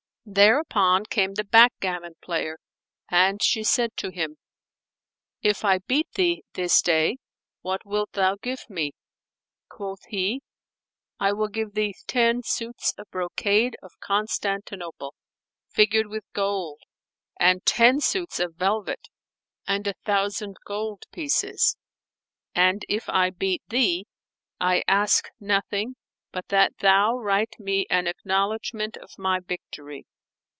Thereupon came the backgammon player, and she said to him, "If I beat thee, this day, what wilt thou give me?" Quoth he, "I will give thee ten suits of brocade of Constantinople, figured with gold, and ten suits of velvet and a thousand gold pieces; and if I beat thee, I ask nothing but that thou write me an acknowledgment of my victory."